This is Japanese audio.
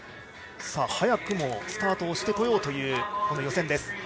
早くもスタートしてこようという予選です。